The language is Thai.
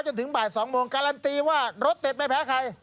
จนถึงบ่าย๒โมงการันตีว่ารสเด็ดไม่แพ้ใคร